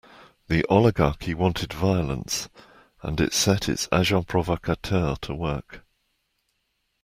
The Oligarchy wanted violence, and it set its agents provocateurs to work.